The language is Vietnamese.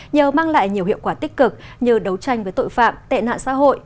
nhờ mang lại nhiều hiệu quả tích cực như đấu tranh với tội phạm tệ nạn xã hội